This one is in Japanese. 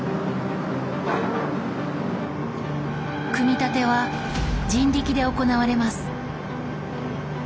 組み立ては人力で行われます。